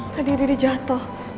tadi riri jatuh